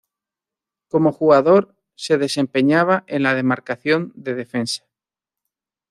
Como jugador se desempeñaba en la demarcación de defensa.